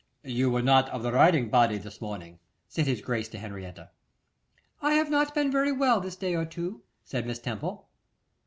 'You were not of the riding party this morning,' said his Grace to Henrietta. 'I have not been very well this day or two,' said Miss Temple.